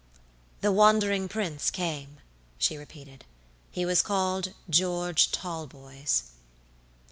"The wandering prince came," she repeated; "he was called George Talboys."